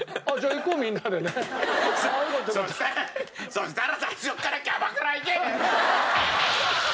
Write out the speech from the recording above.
そしたら最初からキャバクラ行け！